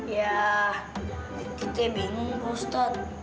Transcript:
ya titiknya bingung pak ustadz